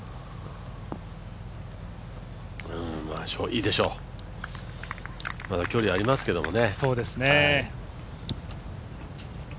いいでしょう、まだ距離ありますけどね。